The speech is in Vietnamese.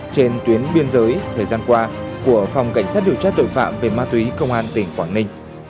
trên tuyến biên giới thời gian qua của phòng cảnh sát điều tra tội phạm về ma túy công an tỉnh quảng ninh